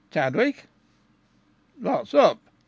Chadwick!" "What's up?"